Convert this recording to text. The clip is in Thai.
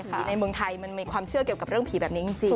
ในเมืองไทยมันมีความเชื่อเกี่ยวกับเรื่องผีแบบนี้จริง